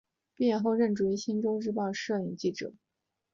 毕业后任职于星洲日报摄影记者。